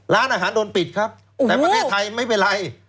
ร้านอาหารโดนปิดครับแต่ประเทศไทยไม่เป็นไร